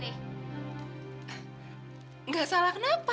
ish enggak ada yang engek